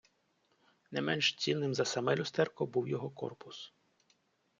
Не менш цінним за саме люстерко був його корпус.